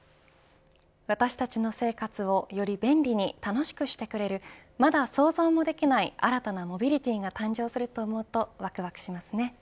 私たちの生活を、より便利に楽しくしてくれるまだ想像もできない新たなモビリティが誕生すると思うとわくわくしますね。